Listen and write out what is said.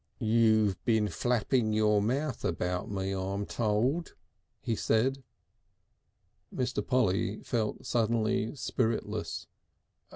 "You been flapping your mouth about me, I'm told," he said. Mr. Polly felt suddenly spiritless.